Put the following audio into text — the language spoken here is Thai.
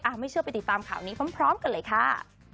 ไม่เชื่อไปติดตามข่าวนี้พร้อมกันเลยค่ะ